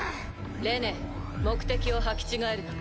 レネ目的を履き違えるな。